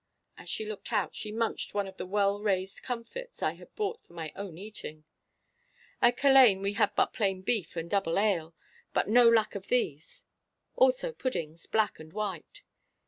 As she looked out, she munched one of the well raised comfits I had bought for my own eating. At Culzean we had but plain beef and double ale, but no lack of these. Also puddings, black and white.